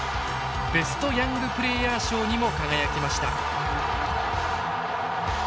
ベストヤングプレーヤー賞にも輝きました。